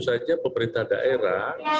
dan tentu saja pemerintah daerah sangat berpikir